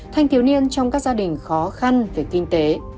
thanh thiếu niên trong các gia đình khó khăn về kinh tế